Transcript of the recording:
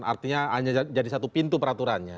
artinya hanya jadi satu pintu peraturannya